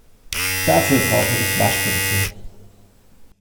Dafür brauche ich Waschbenzin.